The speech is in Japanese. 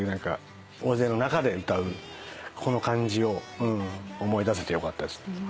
大勢の中で歌うこの感じを思い出せてよかったです。